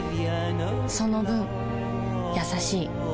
その分優しい